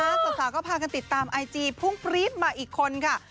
สาวก็พากันติดตามไอจีพุ่งปรี๊ดมาอีกคนค่ะ